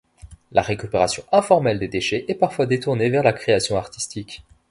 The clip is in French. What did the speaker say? La récupération informelle des déchets est parfois détournée vers la création artistique.